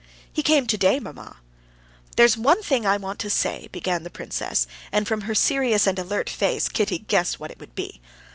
"He came today, mamma." "There's one thing I want to say...." began the princess, and from her serious and alert face, Kitty guessed what it would be.